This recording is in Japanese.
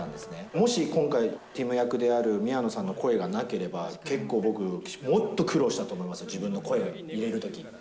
もし、今回、ティム役である宮野さんの声がなければ、結構僕、もっと苦労したと思いますよ、自分の声を入れるとき。